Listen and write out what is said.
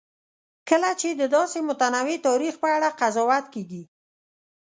کله چې د داسې متنوع تاریخ په اړه قضاوت کېږي.